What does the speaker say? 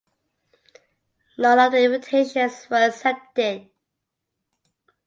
None of the invitations were accepted.